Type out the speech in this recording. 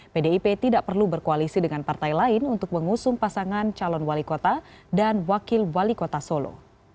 pdip tidak perlu berkoalisi dengan partai lain untuk mengusung pasangan calon wali kota dan wakil wali kota solo